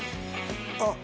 あっ！